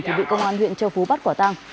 thì bị công an huyện châu phú bắt quả tăng